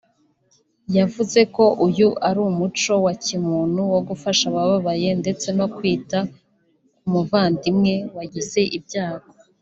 yavuze ko uyu ari umuco wa kimuntu wo gufasha abababaye ndetse no kwita ku muvandimwe wagize ibyago